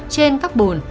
trên các bồn